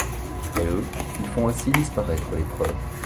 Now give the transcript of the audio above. Malgré eux, ils font ainsi disparaître les preuves...